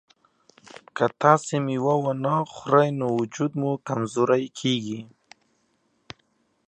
که تاسي مېوه ونه خورئ نو وجود مو کمزوری کیږي.